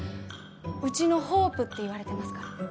うちのホープって言われてますから。